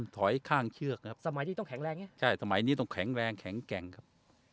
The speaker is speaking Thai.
ข้างเชือกครับสมัยนี้ต้องแข็งแรงไงใช่สมัยนี้ต้องแข็งแรงแข็งแกร่งครับ